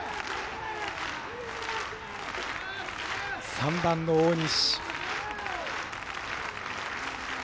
３番の大西。